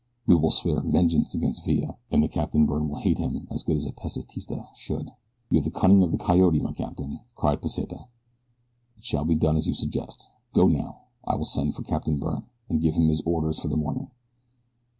We will swear vengeance upon Villa, and the Captain Byrne will hate him as a good Pesitista should." "You have the cunning of the Coyote, my captain," cried Pesita. "It shall be done as you suggest. Go now, and I will send for Captain Byrne, and give him his orders for the morning."